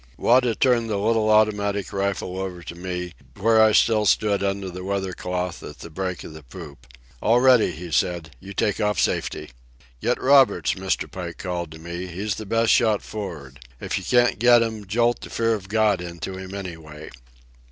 Wada turned the little automatic rifle over to me, where I still stood under the weather cloth at the break of the poop. "All ready," he said. "You take off safety." "Get Roberts," Mr. Pike called to me. "He's the best shot for'ard. If you can't get 'm, jolt the fear of God into him anyway."